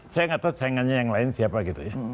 saya gak tau sayangannya yang lain siapa gitu ya